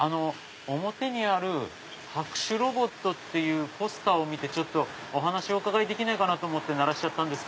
表にある拍手ロボットっていうポスターを見てお話をお伺いできないかと思って鳴らしちゃったんです。